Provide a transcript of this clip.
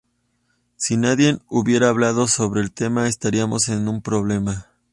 Si nadie hubiera hablado sobre el tema, estaríamos en un problema!".